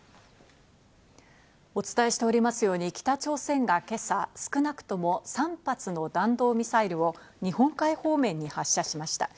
お伝えしておりますように、北朝鮮が今朝、少なくとも３発の弾道ミサイルを日本海方面に発射しました。